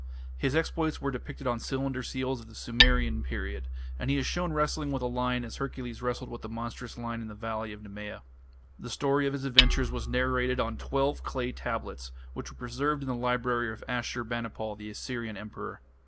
His exploits were depicted on cylinder seals of the Sumerian period, and he is shown wrestling with a lion as Hercules wrestled with the monstrous lion in the valley of Nemea. The story of his adventures was narrated on twelve clay tablets, which were preserved in the library of Ashur banipal, the Assyrian emperor.